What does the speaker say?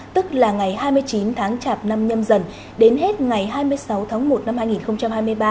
tức là ngày hai mươi chín tháng chạp năm nhâm dần đến hết ngày hai mươi sáu tháng một năm hai nghìn hai mươi ba